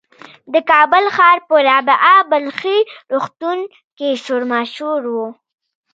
د کابل ښار په رابعه بلخي روغتون کې شور ماشور و.